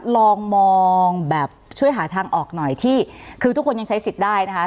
ลองมองแบบช่วยหาทางออกหน่อยที่คือทุกคนยังใช้สิทธิ์ได้นะคะ